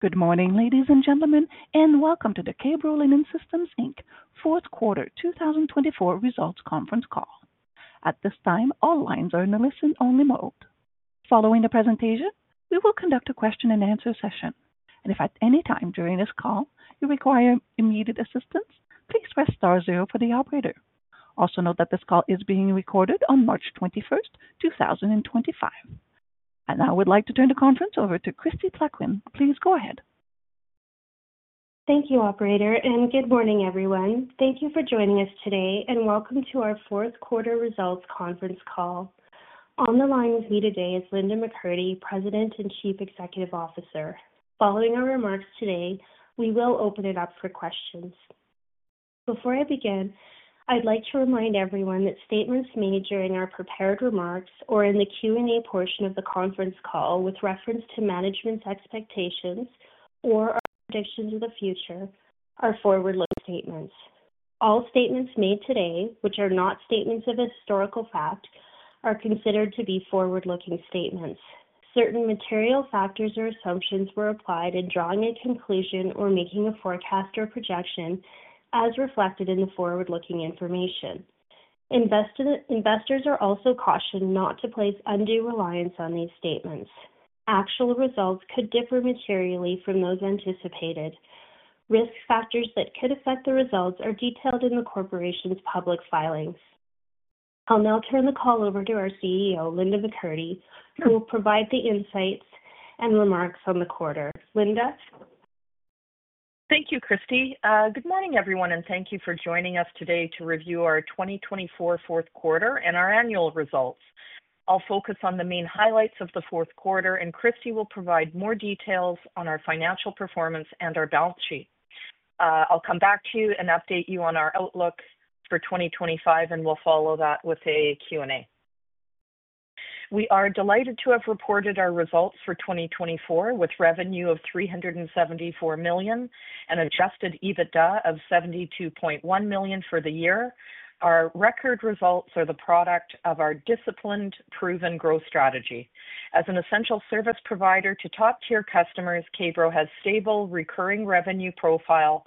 Good morning, ladies and gentlemen, and welcome to the K-Bro Linen Systems Inc fourth quarter 2024 results conference call. At this time, all lines are in a listen-only mode. Following the presentation, we will conduct a question-and-answer session, and if at any time during this call you require immediate assistance, please press star zero for the operator. Also note that this call is being recorded on March 21st, 2025. Now I would like to turn the conference over to Kristie Plaquin. Please go ahead. Thank you, Operator, and good morning, everyone. Thank you for joining us today, and welcome to our fourth quarter results conference call. On the line with me today is Linda McCurdy, President and Chief Executive Officer. Following our remarks today, we will open it up for questions. Before I begin, I'd like to remind everyone that statements made during our prepared remarks or in the Q&A portion of the conference call with reference to management's expectations or our predictions of the future are forward-looking statements. All statements made today, which are not statements of historical fact, are considered to be forward-looking statements. Certain material factors or assumptions were applied in drawing a conclusion or making a forecast or projection, as reflected in the forward-looking information. Investors are also cautioned not to place undue reliance on these statements. Actual results could differ materially from those anticipated. Risk factors that could affect the results are detailed in the corporation's public filings. I'll now turn the call over to our CEO, Linda McCurdy, who will provide the insights and remarks on the quarter. Linda? Thank you, Kristie. Good morning, everyone, and thank you for joining us today to review our 2024 fourth quarter and our annual results. I'll focus on the main highlights of the fourth quarter, and Kristie will provide more details on our financial performance and our balance sheet. I'll come back to you and update you on our outlook for 2025, and we'll follow that with a Q&A. We are delighted to have reported our results for 2024 with revenue of 374 million and Adjusted EBITDA of 72.1 million for the year. Our record results are the product of our disciplined, proven growth strategy. As an essential service provider to top-tier customers, K-Bro has a stable, recurring revenue profile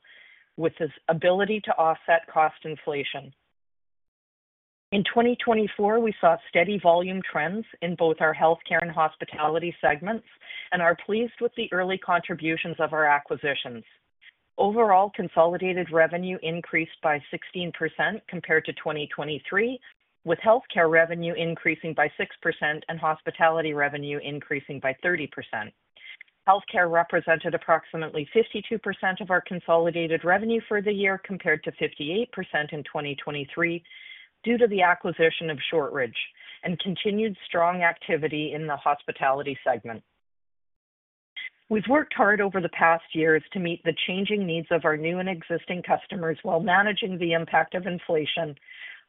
with its ability to offset cost inflation. In 2024, we saw steady volume trends in both our healthcare and hospitality segments and are pleased with the early contributions of our acquisitions. Overall, consolidated revenue increased by 16% compared to 2023, with healthcare revenue increasing by 6% and hospitality revenue increasing by 30%. Healthcare represented approximately 52% of our consolidated revenue for the year compared to 58% in 2023 due to the acquisition of Shortridge and continued strong activity in the hospitality segment. We've worked hard over the past years to meet the changing needs of our new and existing customers while managing the impact of inflation,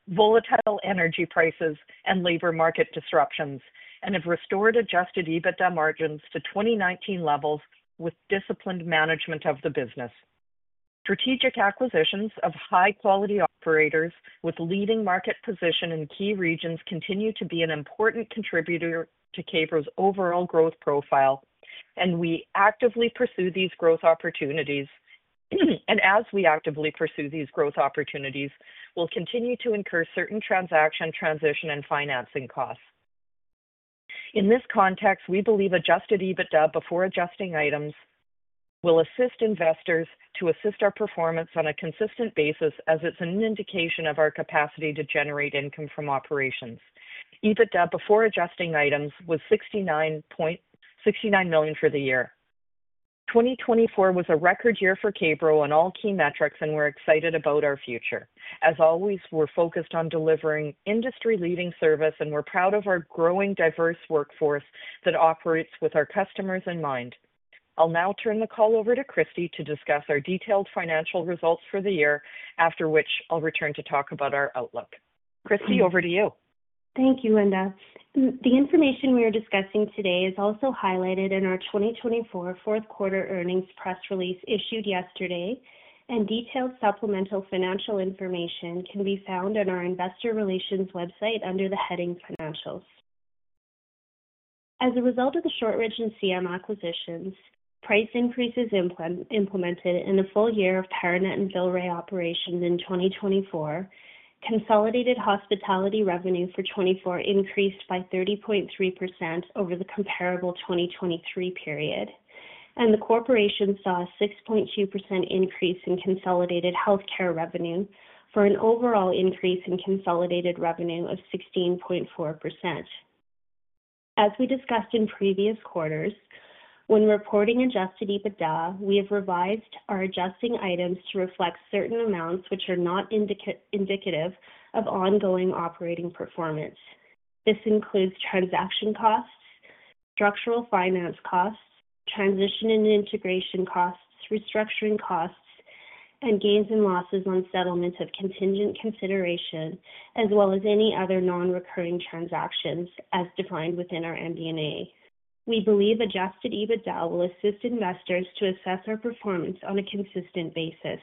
volatile energy prices, and labor market disruptions, and have restored Adjusted EBITDA margins to 2019 levels with disciplined management of the business. Strategic acquisitions of high-quality operators with leading market position in key regions continue to be an important contributor to K-Bro's overall growth profile, and we actively pursue these growth opportunities. As we actively pursue these growth opportunities, we'll continue to incur certain transaction, transition, and financing costs. In this context, we believe Adjusted EBITDA before adjusting items will assist investors to assess our performance on a consistent basis as it's an indication of our capacity to generate income from operations. EBITDA before adjusting items was 69 point—69 million for the year. 2024 was a record year for K-Bro on all key metrics, and we're excited about our future. As always, we're focused on delivering industry-leading service, and we're proud of our growing diverse workforce that operates with our customers in mind. I'll now turn the call over to Kristie to discuss our detailed financial results for the year, after which I'll return to talk about our outlook. Kristie, over to you. Thank you, Linda. The information we are discussing today is also highlighted in our 2024 fourth quarter earnings press release issued yesterday, and detailed supplemental financial information can be found on our Investor Relations website under the heading "Financials." As a result of the Shortridge and C.M. acquisitions, price increases implemented in the full year of Paranet and Villeray operations in 2024, consolidated hospitality revenue for 2024 increased by 30.3% over the comparable 2023 period, and the corporation saw a 6.2% increase in consolidated healthcare revenue for an overall increase in consolidated revenue of 16.4%. As we discussed in previous quarters, when reporting Adjusted EBITDA, we have revised our adjusting items to reflect certain amounts which are not indicative of ongoing operating performance. This includes transaction costs, structural finance costs, transition and integration costs, restructuring costs, and gains and losses on settlement of contingent consideration, as well as any other non-recurring transactions as defined within our MD&A. We believe adjusted EBITDA will assist investors to assess our performance on a consistent basis.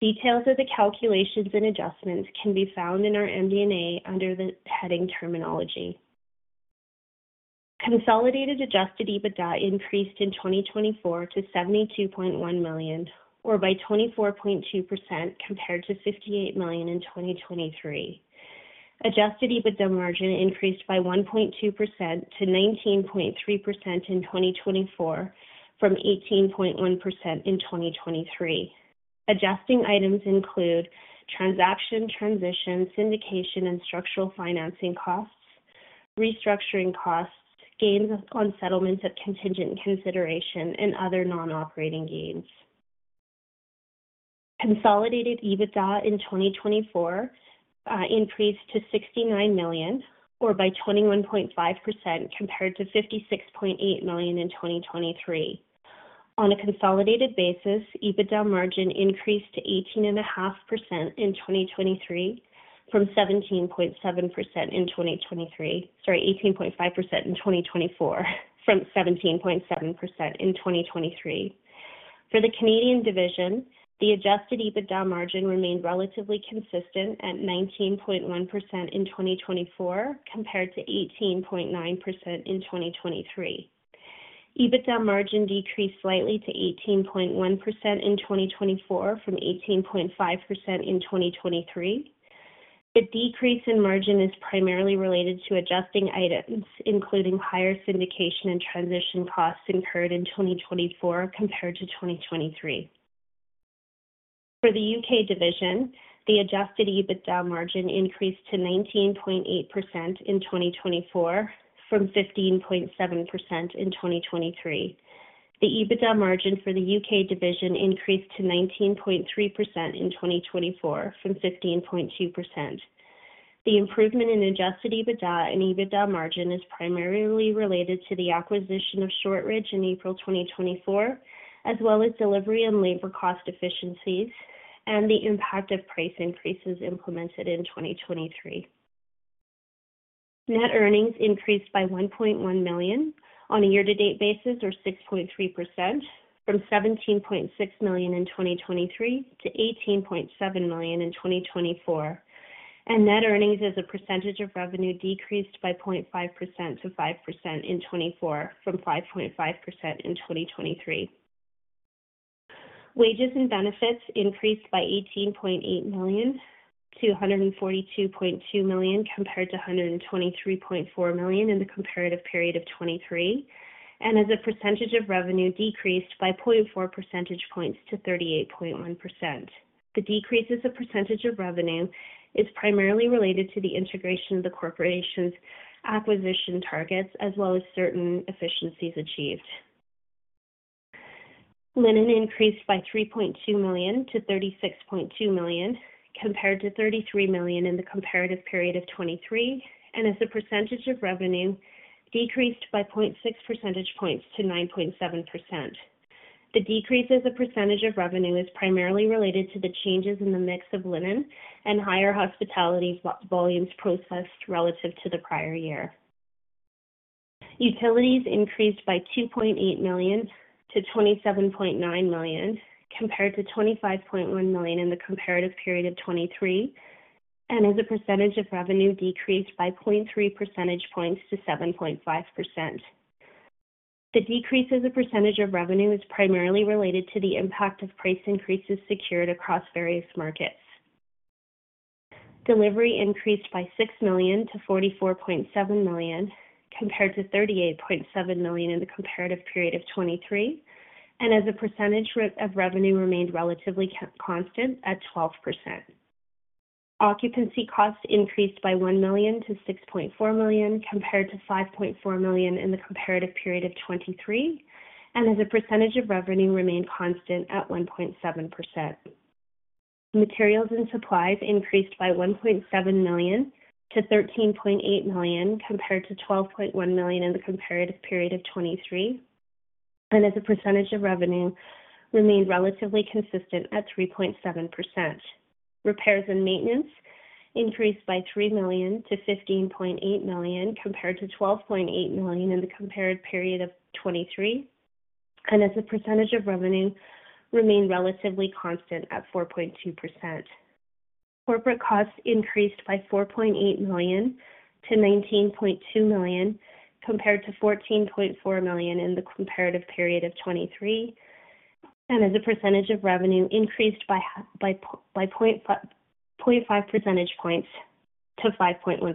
Details of the calculations and adjustments can be found in our MD&A under the heading "Terminology." Consolidated Adjusted EBITDA increased in 2024 to 72.1 million, or by 24.2% compared to 58 million in 2023. Adjusted EBITDA margin increased by 1.2% to 19.3% in 2024 from 18.1% in 2023. Adjusting items include transaction transition, syndication, and structural financing costs, restructuring costs, gains on settlement of contingent consideration, and other non-operating gains. Consolidated EBITDA in 2024 increased to 69 million, or by 21.5% compared to 56.8 million in 2023. On a consolidated basis, EBITDA margin increased to 18.5% in 2024 from 17.7% in 2023. For the Canadian division, the Adjusted EBITDA margin remained relatively consistent at 19.1% in 2024 compared to 18.9% in 2023. EBITDA margin decreased slightly to 18.1% in 2024 from 18.5% in 2023. The decrease in margin is primarily related to adjusting items, including higher syndication and transition costs incurred in 2024 compared to 2023. For the U.K. division, the adjusted EBITDA margin increased to 19.8% in 2024 from 15.7% in 2023. The EBITDA margin for the U.K. division increased to 19.3% in 2024 from 15.2%. The improvement in Adjusted EBITDA and EBITDA margin is primarily related to the acquisition of Shortridge in April 2024, as well as delivery and labor cost efficiencies and the impact of price increases implemented in 2023. Net earnings increased by 1.1 million on a year-to-date basis, or 6.3%, from 17.6 million in 2023 to 18.7 million in 2024. Net earnings as a percentage of revenue decreased by 0.5% to 5% in 2024 from 5.5% in 2023. Wages and benefits increased by 18.8 million to 142.2 million compared to 123.4 million in the comparative period of 2023, and as a percentage of revenue decreased by 0.4 percentage points to 38.1%. The decrease as a percentage of revenue is primarily related to the integration of the corporation's acquisition targets, as well as certain efficiencies achieved. Linen increased by 3.2 million to 36.2 million compared to 33 million in the comparative period of 2023, and as a percentage of revenue decreased by 0.6 percentage points to 9.7%. The decrease as a percentage of revenue is primarily related to the changes in the mix of linen and higher hospitality volumes processed relative to the prior year. Utilities increased by 2.8 million to 27.9 million compared to 25.1 million in the comparative period of 2023, and as a percentage of revenue decreased by 0.3 percentage points to 7.5%. The decrease as a percentage of revenue is primarily related to the impact of price increases secured across various markets. Delivery increased by 6 million to 44.7 million compared to 38.7 million in the comparative period of 2023, and as a percentage of revenue remained relatively constant at 12%. Occupancy costs increased by 1 million to 6.4 million compared to 5.4 million in the comparative period of 2023, and as a percentage of revenue remained constant at 1.7%. Materials and supplies increased by 1.7 million to 13.8 million compared to 12.1 million in the comparative period of 2023, and as a percentage of revenue remained relatively consistent at 3.7%. Repairs and maintenance increased by 3 million to 15.8 million compared to 12.8 million in the comparative period of 2023, and as a percentage of revenue remained relatively constant at 4.2%. Corporate costs increased by 4.8 million to 19.2 million compared to 14.4 million in the comparative period of 2023, and as a percentage of revenue increased by 0.5 percentage points to 5.1%.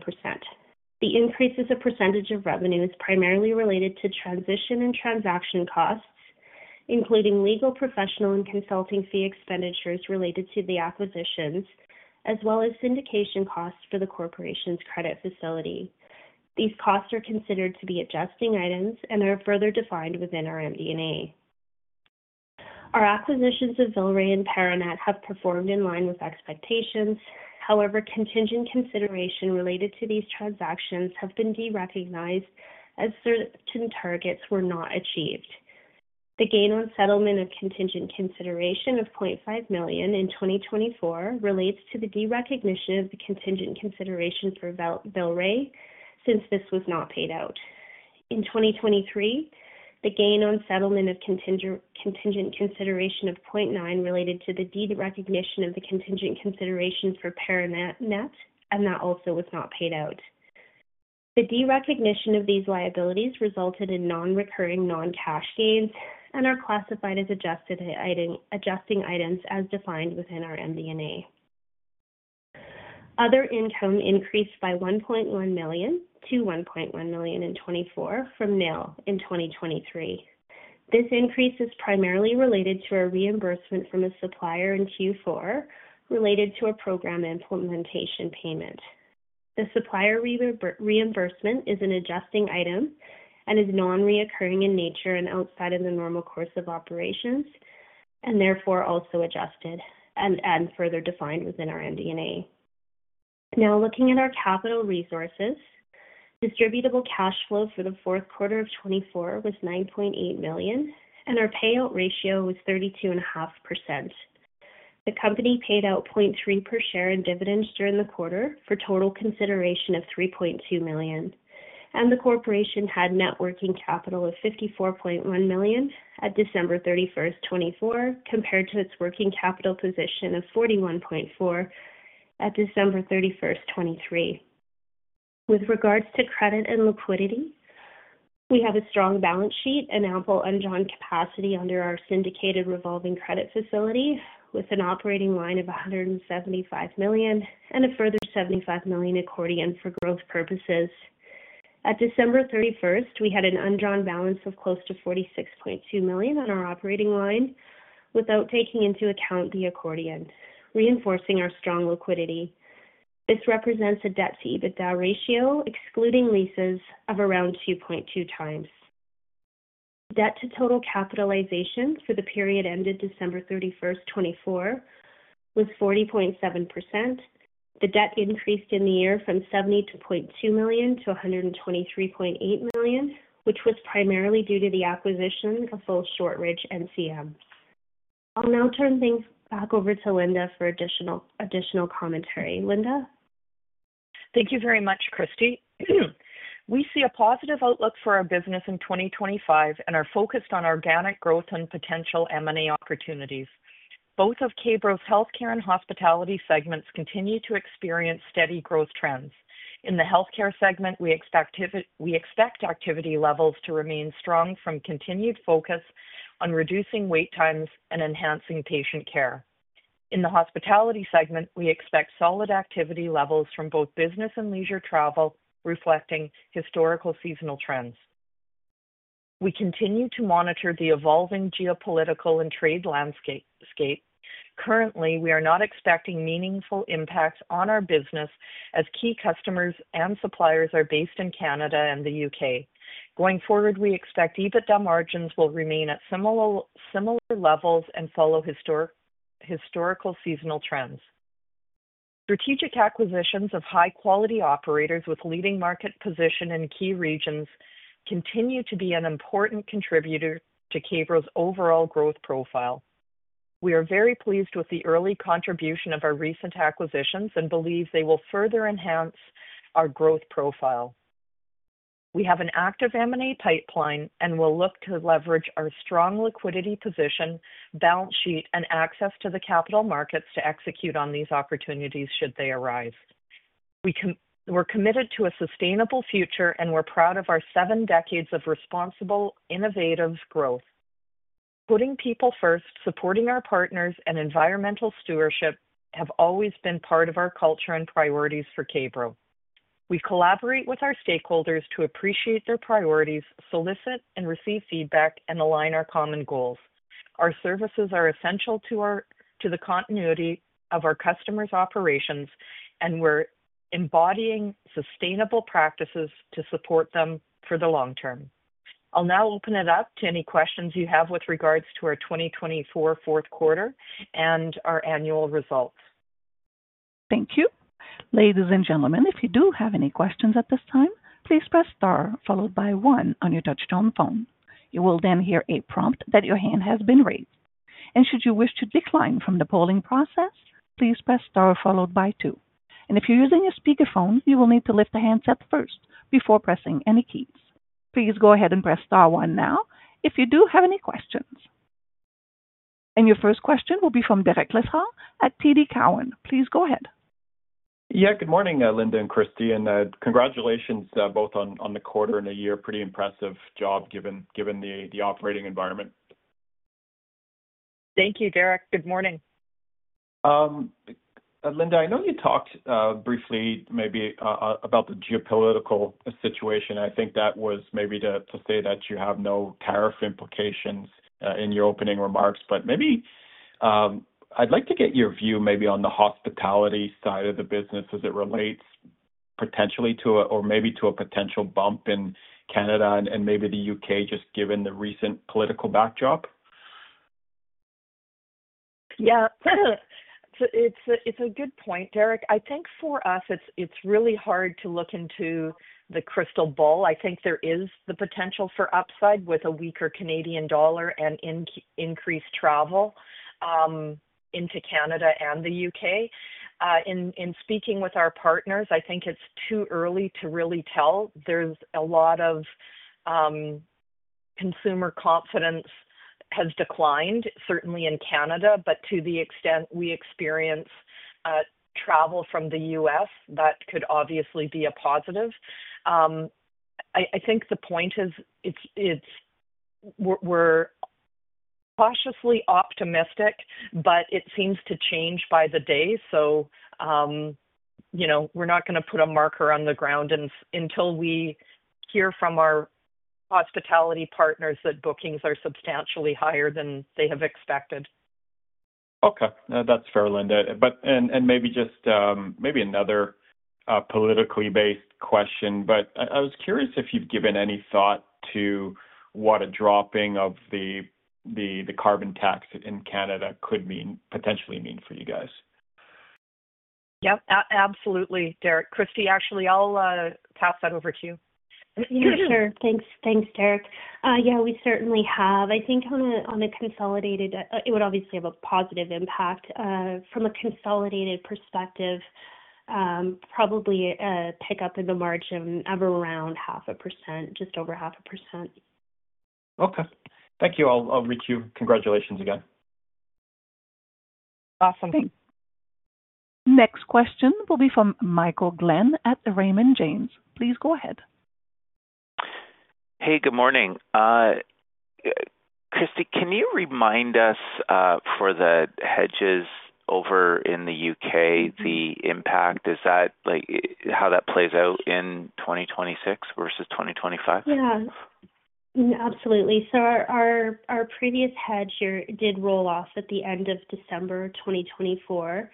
The increase as a percentage of revenue is primarily related to transition and transaction costs, including legal, professional, and consulting fee expenditures related to the acquisitions, as well as syndication costs for the corporation's credit facility. These costs are considered to be adjusting items and are further defined within our MD&A. Our acquisitions of Villeray and Paranet have performed in line with expectations. However, contingent consideration related to these transactions has been derecognized as certain targets were not achieved. The gain on settlement of contingent consideration of 0.5 million in 2024 relates to the derecognition of the contingent consideration for Villeray since this was not paid out. In 2023, the gain on settlement of contingent consideration of 0.9 million related to the derecognition of the contingent consideration for Paranet, and that also was not paid out. The derecognition of these liabilities resulted in non-recurring non-cash gains and are classified as adjusting items as defined within our MD&A. Other income increased by 1.1 million to 1.1 million in 2024 from nil in 2023. This increase is primarily related to a reimbursement from a supplier in Q4 related to a program implementation payment. The supplier reimbursement is an adjusting item and is non-recurring in nature and outside of the normal course of operations, and therefore also adjusted and further defined within our MD&A. Now, looking at our capital resources, distributable cash flow for the fourth quarter of 2024 was 9.8 million, and our payout ratio was 32.5%. The company paid out 0.3 per share in dividends during the quarter for total consideration of 3.2 million, and the corporation had net working capital of 54.1 million at December 31st, 2024, compared to its working capital position of 41.4 million at December 31, 2023. With regards to credit and liquidity, we have a strong balance sheet and ample undrawn capacity under our syndicated revolving credit facility with an operating line of 175 million and a further 75 million accordion for growth purposes. At December 31st, we had an undrawn balance of close to 46.2 million on our operating line without taking into account the accordion, reinforcing our strong liquidity. This represents a debt-to-EBITDA ratio excluding leases of around 2.2 times. Debt-to-total capitalization for the period ended December 31, 2024 was 40.7%. The debt increased in the year from 72.2 million to 123.8 million, which was primarily due to the acquisition of full Shortridge and C.M. I'll now turn things back over to Linda for additional commentary. Linda? Thank you very much, Kristie. We see a positive outlook for our business in 2025 and are focused on organic growth and potential M&A opportunities. Both of K-Bro's healthcare and hospitality segments continue to experience steady growth trends. In the healthcare segment, we expect activity levels to remain strong from continued focus on reducing wait times and enhancing patient care. In the hospitality segment, we expect solid activity levels from both business and leisure travel, reflecting historical seasonal trends. We continue to monitor the evolving geopolitical and trade landscape. Currently, we are not expecting meaningful impacts on our business as key customers and suppliers are based in Canada and the U.K. Going forward, we expect EBITDA margins will remain at similar levels and follow historical seasonal trends. Strategic acquisitions of high-quality operators with leading market position in key regions continue to be an important contributor to K-Bro's overall growth profile. We are very pleased with the early contribution of our recent acquisitions and believe they will further enhance our growth profile. We have an active M&A pipeline and will look to leverage our strong liquidity position, balance sheet, and access to the capital markets to execute on these opportunities should they arise. We're committed to a sustainable future and we're proud of our seven decades of responsible, innovative growth. Putting people first, supporting our partners, and environmental stewardship have always been part of our culture and priorities for K-Bro. We collaborate with our stakeholders to appreciate their priorities, solicit and receive feedback, and align our common goals. Our services are essential to the continuity of our customers' operations, and we're embodying sustainable practices to support them for the long term. I'll now open it up to any questions you have with regards to our 2024 fourth quarter and our annual results. Thank you. Ladies and gentlemen, if you do have any questions at this time, please press star followed by one on your touch-tone phone. You will then hear a prompt that your hand has been raised. Should you wish to decline from the polling process, please press star followed by two. If you're using a speakerphone, you will need to lift the handset first before pressing any keys. Please go ahead and press star one now if you do have any questions. Your first question will be from Derek Lessard at TD Cowen. Please go ahead. Yeah, good morning, Linda and Kristie. Congratulations both on the quarter and a year. Pretty impressive job given the operating environment. Thank you, Derek. Good morning. Linda, I know you talked briefly maybe about the geopolitical situation. I think that was maybe to say that you have no tariff implications in your opening remarks. Maybe I'd like to get your view maybe on the hospitality side of the business as it relates potentially to or maybe to a potential bump in Canada and maybe the U.K. just given the recent political backdrop. Yeah. It's a good point, Derek. I think for us, it's really hard to look into the crystal ball. I think there is the potential for upside with a weaker Canadian dollar and increased travel into Canada and the U.K. In speaking with our partners, I think it's too early to really tell. There's a lot of consumer confidence has declined, certainly in Canada, but to the extent we experience travel from the U.S., that could obviously be a positive. I think the point is we're cautiously optimistic, but it seems to change by the day. We are not going to put a marker on the ground until we hear from our hospitality partners that bookings are substantially higher than they have expected. Okay. That's fair, Linda. Maybe another politically based question, but I was curious if you've given any thought to what a dropping of the carbon tax in Canada could potentially mean for you guys. Yep. Absolutely, Derek. Kristie, actually, I'll pass that over to you. Sure. Thanks, Derek. Yeah, we certainly have. I think on a consolidated, it would obviously have a positive impact. From a consolidated perspective, probably a pickup in the margin of around 0.5%, just over 0.5%. Okay. Thank you. I'll reach you. Congratulations again. Awesome. Thanks. Next question will be from Michael Glenn at Raymond James. Please go ahead. Hey, good morning. Kristie, can you remind us for the hedges over in the U.K., the impact, how that plays out in 2026 versus 2025? Yeah. Absolutely. Our previous hedge did roll off at the end of December 2024,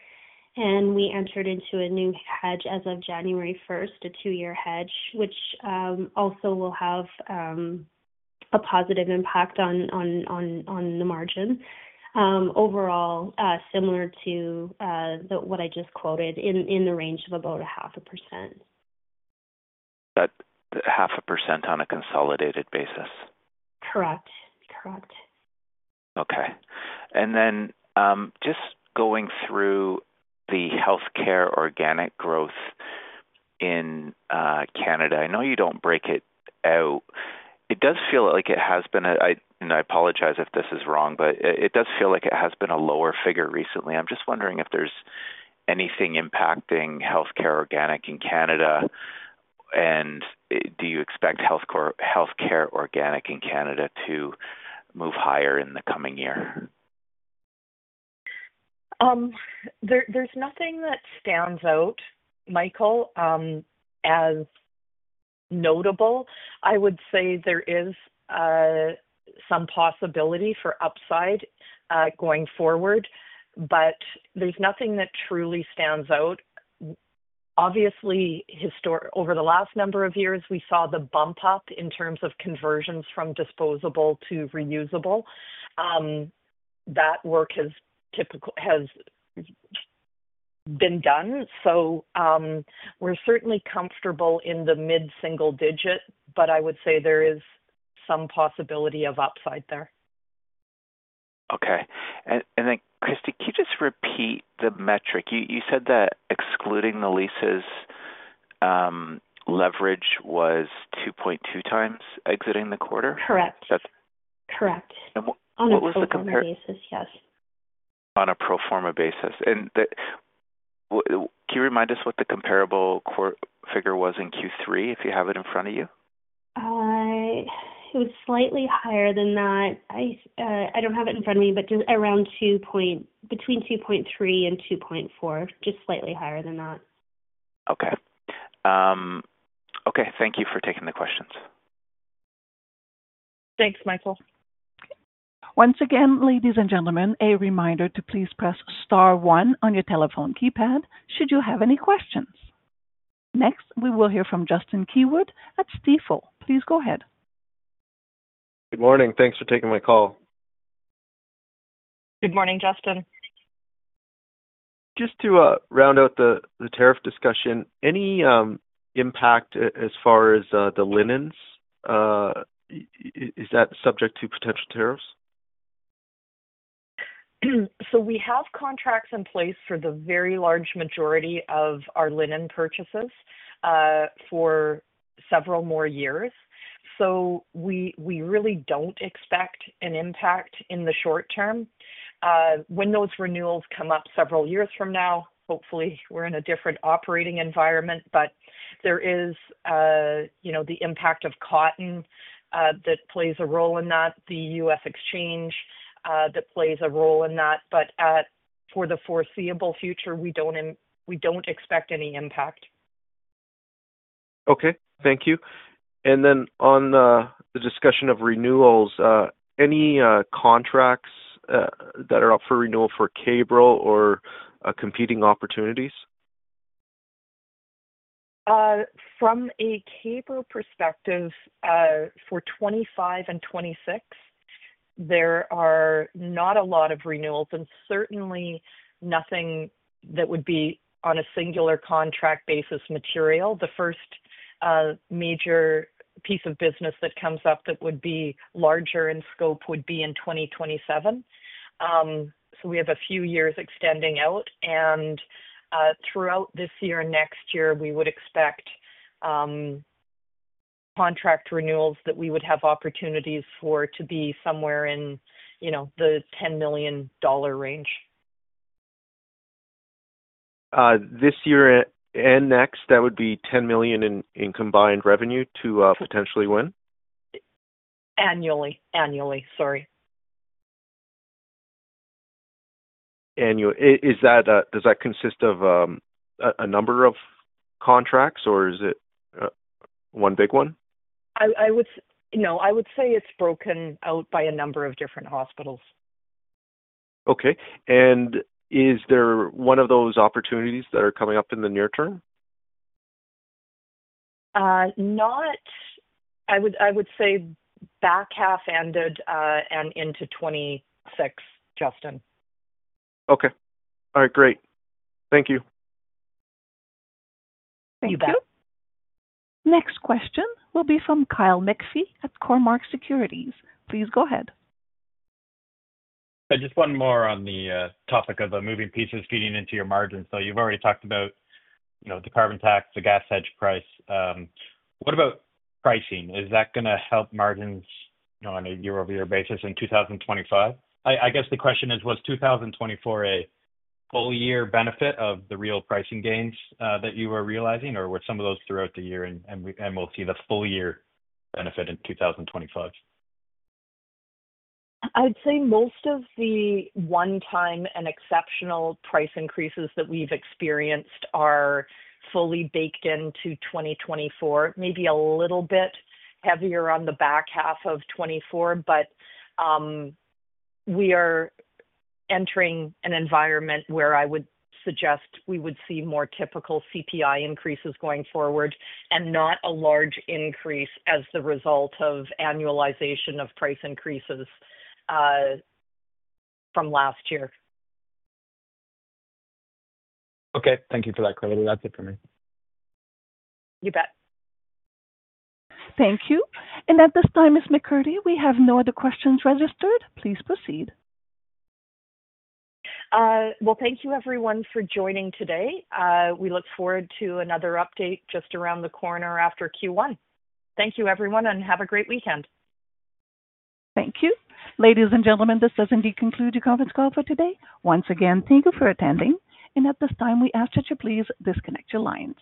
and we entered into a new hedge as of January 1st, a two-year hedge, which also will have a positive impact on the margin. Overall, similar to what I just quoted in the range of about 0.5%. That half a percent on a consolidated basis. Correct. Correct. Okay. Just going through the healthcare organic growth in Canada, I know you do not break it out. It does feel like it has been a—and I apologize if this is wrong—but it does feel like it has been a lower figure recently. I am just wondering if there is anything impacting healthcare organic in Canada, and do you expect healthcare organic in Canada to move higher in the coming year? There's nothing that stands out, Michael, as notable. I would say there is some possibility for upside going forward, but there's nothing that truly stands out. Obviously, over the last number of years, we saw the bump up in terms of conversions from disposable to reusable. That work has been done. We're certainly comfortable in the mid-single digit, but I would say there is some possibility of upside there. Okay. Kristie, can you just repeat the metric? You said that excluding the leases, leverage was 2.2 times exiting the quarter? Correct. Correct. On a pro forma basis, yes. On a pro forma basis. Can you remind us what the comparable figure was in Q3, if you have it in front of you? It was slightly higher than that. I don't have it in front of me, but between 2.3 and 2.4, just slightly higher than that. Okay. Okay. Thank you for taking the questions. Thanks, Michael. Once again, ladies and gentlemen, a reminder to please press star one on your telephone keypad should you have any questions. Next, we will hear from Justin Keywood at Stifel. Please go ahead. Good morning. Thanks for taking my call. Good morning, Justin. Just to round out the tariff discussion, any impact as far as the linens? Is that subject to potential tariffs? We have contracts in place for the very large majority of our linen purchases for several more years. We really do not expect an impact in the short term. When those renewals come up several years from now, hopefully, we are in a different operating environment. There is the impact of cotton that plays a role in that, the U.S. exchange that plays a role in that. For the foreseeable future, we do not expect any impact. Okay. Thank you. On the discussion of renewals, any contracts that are up for renewal for K-Bro or competing opportunities? From a K-Bro perspective, for 2025 and 2026, there are not a lot of renewals and certainly nothing that would be on a singular contract basis material. The first major piece of business that comes up that would be larger in scope would be in 2027. We have a few years extending out. Throughout this year and next year, we would expect contract renewals that we would have opportunities for to be somewhere in the 10 million dollar range. This year and next, that would be 10 million in combined revenue to potentially win? Annually. Sorry. Annually. Does that consist of a number of contracts, or is it one big one? No. I would say it's broken out by a number of different hospitals. Okay. Is there one of those opportunities that are coming up in the near term? I would say back half-ended and into 2026, Justin. Okay. All right. Great. Thank you. Thank you. Thank you. Next question will be from Kyle McPhee at Cormark Securities. Please go ahead. Just one more on the topic of moving pieces feeding into your margins. You have already talked about the carbon tax, the gas hedge price. What about pricing? Is that going to help margins on a year-over-year basis in 2025? I guess the question is, was 2024 a full-year benefit of the real pricing gains that you were realizing, or were some of those throughout the year, and we will see the full-year benefit in 2025? I'd say most of the one-time and exceptional price increases that we've experienced are fully baked into 2024, maybe a little bit heavier on the back half of 2024. We are entering an environment where I would suggest we would see more typical CPI increases going forward and not a large increase as the result of annualization of price increases from last year. Okay. Thank you for that, Kristie. That's it for me. You bet. Thank you. At this time, Ms. McCurdy, we have no other questions registered. Please proceed. Thank you, everyone, for joining today. We look forward to another update just around the corner after Q1. Thank you, everyone, and have a great weekend. Thank you. Ladies and gentlemen, this does indeed conclude your conference call for today. Once again, thank you for attending. At this time, we ask that you please disconnect your lines.